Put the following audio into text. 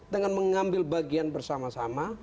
dengan mengambil bagian bersama sama